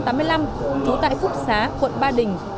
trú tại phúc xá quận ba đình